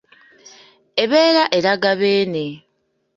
Ebeera eraga Beene.